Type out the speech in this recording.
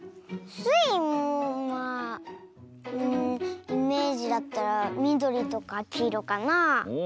スイもまあうんイメージだったらみどりとかきいろかなあ。